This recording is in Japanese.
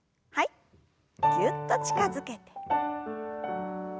ぎゅっと近づけて。